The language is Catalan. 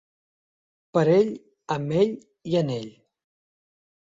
Per ell, amb ell i en ell.